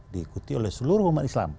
diikuti oleh seluruh umat islam